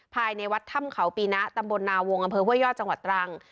ภายในวัดถ้ำเขาปีนะตำบลนาวงอำเภอห้วยยอดจังหวัดตรัง